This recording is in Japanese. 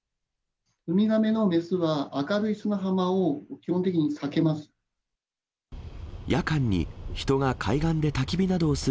ウミガメの雌は、明るい砂浜を基本的に避けます。